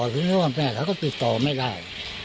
ถึงแม้ว่าแม่เขาก็ติดต่อไม่ได้